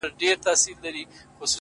o زلفي او باڼه اشــــــنـــــــــــا؛